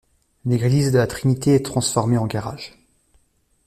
L'église de la Trinité est transformée en garage.